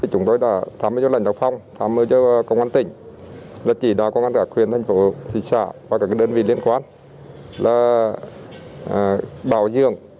công an đã khuyên thành phố thị trạng và các đơn vị liên quan là bảo dường